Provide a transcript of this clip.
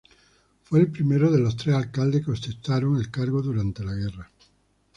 Fue el primero de los tres alcaldes que ostentaron el cargo durante la guerra.